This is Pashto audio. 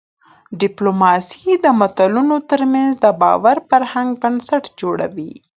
ډيپلوماسي د ملتونو ترمنځ د باور فرهنګي بنسټ جوړوي.